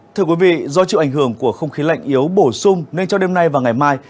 thưa quý vị do chịu ảnh hưởng của không khí lạnh yếu bổ sung nên cho đêm nay và ngày mai